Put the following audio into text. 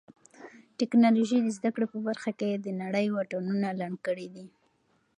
ټیکنالوژي د زده کړې په برخه کې د نړۍ واټنونه لنډ کړي دي.